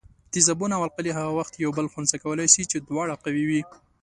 تیزابونه او القلي هغه وخت یو بل خنثي کولای شي چې دواړه قوي وي.